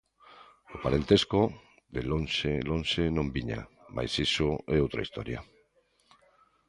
O parentesco, de lonxe, lonxe, non viña, mais iso é outra historia.